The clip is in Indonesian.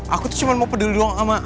aku tuh cuma mau peduli doang sama